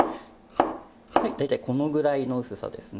大体このぐらいの薄さですね。